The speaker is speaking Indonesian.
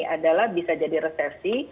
adalah bisa jadi resesi